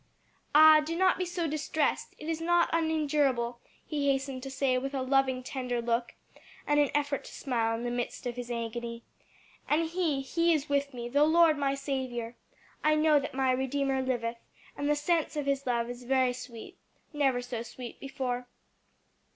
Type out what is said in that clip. "Ah, do not be so distressed; it is not unendurable," he hastened to say with a loving, tender look and an effort to smile in the midst of his agony. "And He, He is with me; the Lord my Saviour! 'I know that my Redeemer liveth,' and the sense of His love is very sweet, never so sweet before."